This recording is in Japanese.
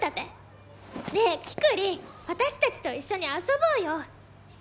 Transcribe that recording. ねえキクリン私たちと一緒に遊ぼうよ。